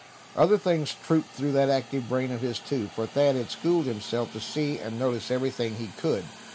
Other things trooped through that active brain of his, too; for Thad had schooled himself to see and notice everything he could.